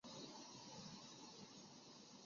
但是布加勒斯特星足球俱乐部最后雇佣了。